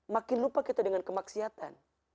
makin lupa kita dengan kemaksiatan